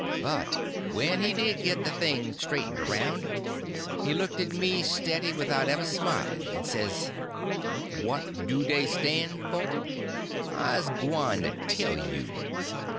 But when he did get the thing straightened around he looked at me steady without ever smiling, and says: "What do dey stan' for? I'se gwyne to tell you.